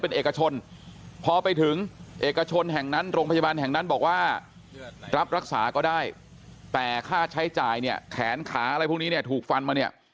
เป็นเอกชนพอไปถึงเอกชนแห่งนั้นโรงพยาบาลแห่งนั้นบอกว่ารับรักษาก็ได้แต่ค่าใช้จ่ายเนี่ยแขนขาอะไรพวกนี้เนี่ยถูกฟันมาเนี่ย